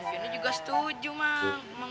umi juga setuju emang